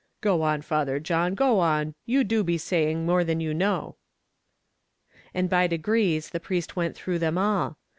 "Go on, Father John, go on, you do be saying more than you know." And by degrees the priest went through them all.